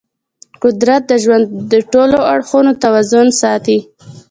قدرت د ژوند د ټولو اړخونو توازن ساتي.